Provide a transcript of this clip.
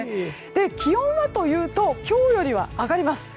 気温はというと今日よりは上がります。